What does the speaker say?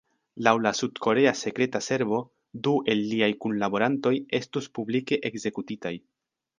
Laŭ la sud-korea sekreta servo, du el liaj kunlaborantoj estus publike ekzekutitaj.